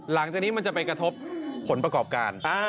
หลังจากนี้มันจะไปกระทบผลประกอบการ